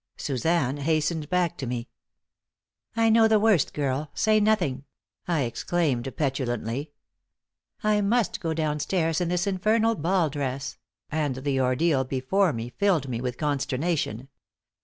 Suzanne hastened back to me. "I know the worst, girl! Say nothing!" I exclaimed, petulantly. "I must go down stairs in this infernal ball dress," and the ordeal before me filled me with consternation.